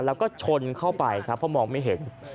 แล้วก็ชนเข้าไปครับเพราะมองไม่เห็น